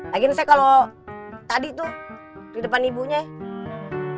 lagiin saya kalau tadi tuh di depan ibunya ya